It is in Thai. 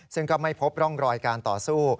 ซึ่งก็ไม่พบร่องรอยการต่อสู้